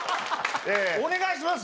お願いします